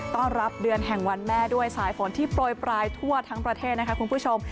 ต้อนรับเดือนแห่งวันแม่ด้วยสายฝนที่โปรยปลายทั่วทั้งประเทศนะคะคุณผู้ชม